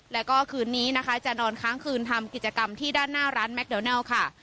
แล้วก็คืนนี้นะคะจะนอนค้างคืนทำกิจกรรมที่ด้านหน้าร้านแมคโดนัลค่ะ